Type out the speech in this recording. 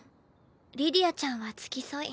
リディアちゃんは付き添い。